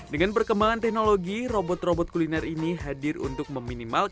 dengan perkembangan teknologi robot robot kuliner ini hadir untuk meminimalkan